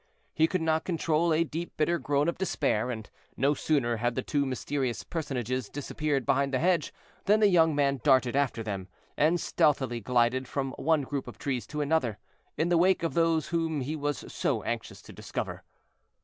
He could not control a deep bitter groan of despair, and no sooner had the two mysterious personages disappeared behind the hedge than the young man darted after them, and stealthily glided from one group of trees to another, in the wake of those whom he was so anxious to discover.